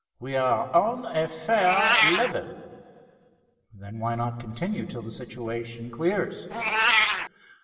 We are on a fair level." "Then why not continue till the situation clears?"